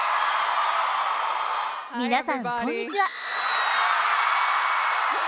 皆さん、こんにちは。